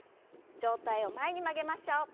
上体を前に曲げましょう。